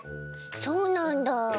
そうなんだ。